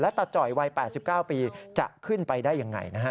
และตาจอยวัย๘๙ปีจะขึ้นไปได้อย่างไรนะฮะ